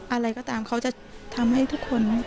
อะไรก็ตามเขาจะทำให้ทุกคน